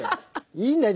いいんだよ